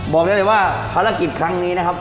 บอกได้เลยว่าภารกิจครั้งนี้นะครับ